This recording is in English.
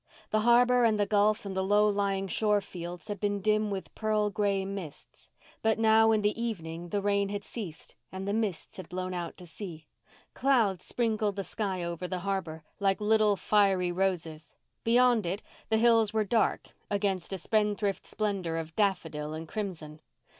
The harbour and the gulf and the low lying shore fields had been dim with pearl gray mists. But now in the evening the rain had ceased and the mists had blown out to sea. Clouds sprinkled the sky over the harbour like little fiery roses. Beyond it the hills were dark against a spendthrift splendour of daffodil and crimson.